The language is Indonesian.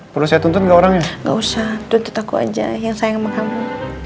perlu saya tuntut nggak orangnya nggak usah tuntut aku aja yang sayang sama kamu